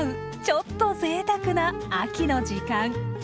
ちょっとぜいたくな秋の時間。